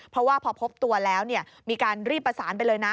เพราะว่าพอพบตัวแล้วมีการรีบประสานไปเลยนะ